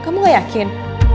kamu gak yakin